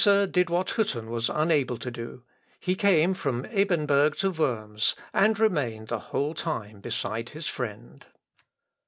Bucer did what Hütten was unable to do: he came from Ebernburg to Worms, and remained the whole time beside his friend.